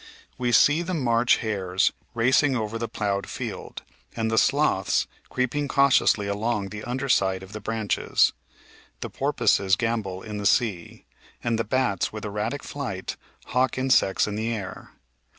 § 17 Variety among Mammals We see the March hares racing over the ploughed field, and the sloths creeping cautiously along the under side of the branches. The porpoises gambol in the sea, and the bats with erratic flight hawk insects in the air.'